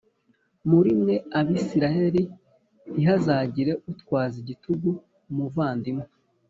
muri mwe Abisirayeli ntihazagire utwaza igitugu umuvandimwe